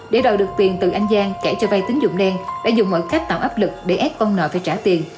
để đòi được tiền từ anh giang kể cho vay tín dụng đen đã dùng mọi cách tạo áp lực để ép ông nợ phải trả tiền